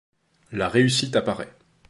La réussite apparait.